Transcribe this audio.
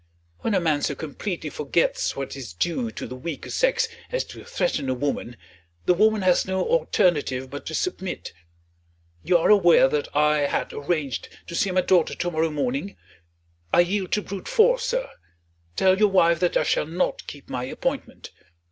When a man so completely forgets what is due to the weaker sex as to threaten a woman, the woman has no alternative but to submit. You are aware that I had arranged to see my daughter to morrow morning. I yield to brute force, sir. Tell your wife that I shall not keep my appointment.